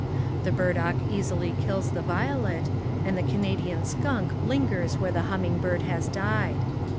The burdock easily kills the violet, and the Canadian skunk lingers where the humming bird has died.